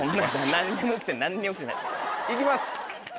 いきます！